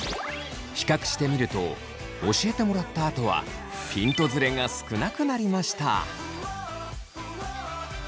比較してみると教えてもらったあとはピントズレが少なくなりました。